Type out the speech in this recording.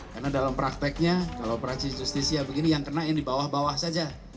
karena dalam prakteknya kalau operasi justisi begini yang kena ini bawah bawah saja